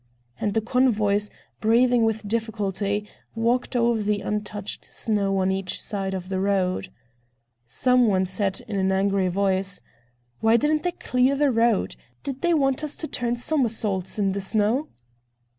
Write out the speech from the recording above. And the convoys, breathing with difficulty, walked over the untouched snow on each side of the road. Some one said in an angry voice: "Why didn't they clear the road? Did they want us to turn somersaults in the snow?"